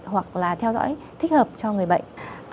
hoặc là theo dõi thích hợp cho người bệnh